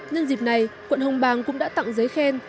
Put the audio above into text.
nhân dịp này quận hồng bàng cũng đã tặng giấy khen